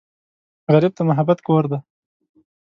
غریب ته محبت کور دی